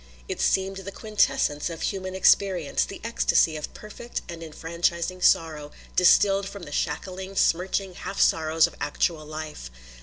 It seemed the quintessence of human experience, the ecstasy of perfect and enfranchising sorrow, distilled from the shackling, smirching half sorrows of actual life.